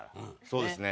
そうですね。